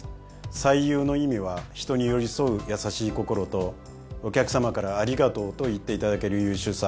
「最優」の意味は「人に寄り添う優しい心」と「お客さまからありがとうと言っていただける優秀さ」